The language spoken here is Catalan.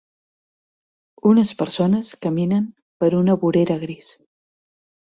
Unes persones caminen per una vorera gris.